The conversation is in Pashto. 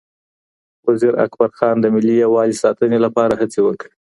وزیر اکبرخان د ملي یووالي ساتنې لپاره هڅې وکړې